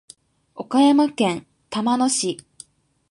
岡山県玉野市